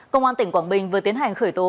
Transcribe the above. công an tỉnh quảng bình vừa tiến hành khởi tố